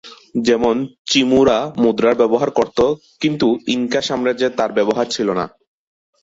যেমন "চিমু"রা মুদ্রার ব্যবহার করতো, কিন্তু ইনকা সাম্রাজ্যে তার ব্যবহার ছিল না।